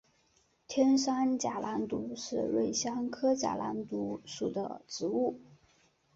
天山假狼毒是瑞香科假狼毒属的植物。